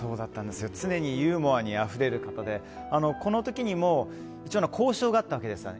常にユーモアにあふれる方でこの時にも一応交渉があったわけですよ。